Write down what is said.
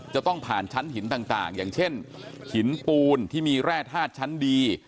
จะต้องผ่านชั้นหินต่างอย่างเช่นหินปูนที่มีแร่ธาตุชั้นดี